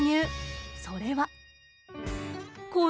それは。